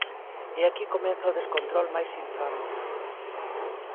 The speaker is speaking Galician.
E aquí comeza o descontrol máis infame.